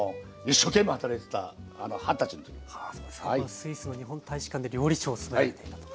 スイスの日本大使館で料理長を務めていたと。